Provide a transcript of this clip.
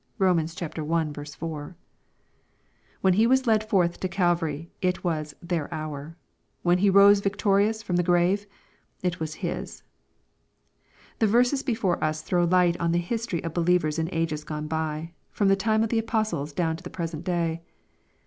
(Rom. i. 4) When He was led forth to Calvary, it was "their hour." When He rose victorious from the grave, it was His. The verses before us throw light on the history of be lievers in ages gone by, from the time of the apostles down to the present day.